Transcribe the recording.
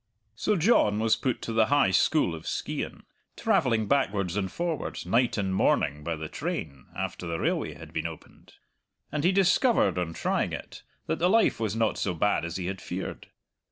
So John was put to the High School of Skeighan, travelling backwards and forwards night and morning by the train, after the railway had been opened. And he discovered, on trying it, that the life was not so bad as he had feared.